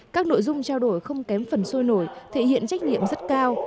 các nội dung trao đổi không kém phần sôi nổi thể hiện trách nhiệm rất cao